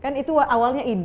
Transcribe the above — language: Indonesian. kan itu awalnya ide